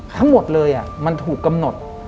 ทั้งหมดเลยมันถูกกำหนด